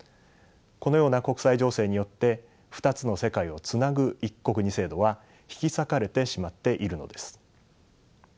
このような国際情勢によって２つの世界をつなぐ「一国二制度」は引き裂かれてしまっているのです。